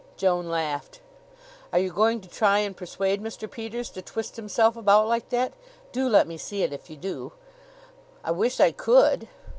Joan laughed. "Are you going to try and persuade Mr. Peters to twist himself about like that? Do let me see it if you do." "I wish I could."